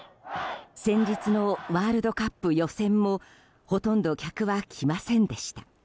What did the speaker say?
先日のワールドカップ予選もほとんど客は来ませんでした。